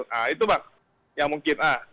nah itu bang yang mungkin